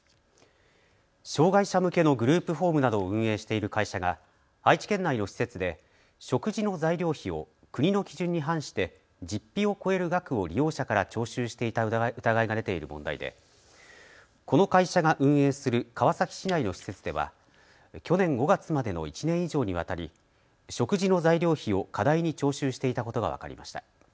障害者向けのグループホームなどを運営している会社が愛知県内の施設で食事の材料費を国の基準に反して実費を超える額を利用者から徴収していた疑いが出ている問題でこの会社が運営する川崎市内の施設では去年５月までの１年以上にわたり食事の材料費を過大に徴収していたことが分かりました。